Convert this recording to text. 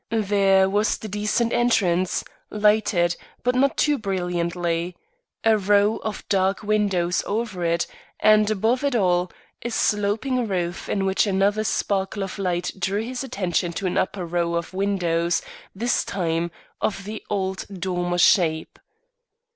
There was the decent entrance, lighted, but not too brilliantly; a row of dark windows over it; and, above it all, a sloping roof in which another sparkle of light drew his attention to an upper row of windows, this time, of the old dormer shape.